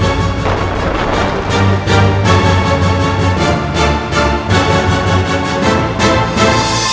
lebih baik kita pergi ke sana